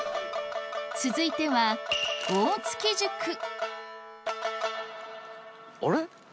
続いてはあれ？